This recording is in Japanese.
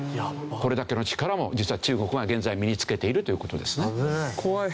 これだけの力も実は中国が現在身につけているという事ですね。